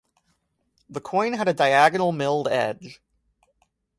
The coin had a diagonal milled edge.